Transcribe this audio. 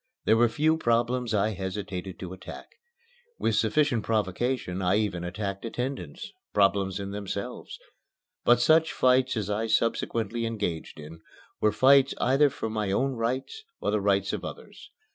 There were few problems I hesitated to attack. With sufficient provocation I even attacked attendants problems in themselves; but such fights as I subsequently engaged in were fights either for my own rights or the rights of others.